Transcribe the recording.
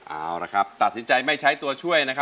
เอาละครับตัดสินใจไม่ใช้ตัวช่วยนะครับ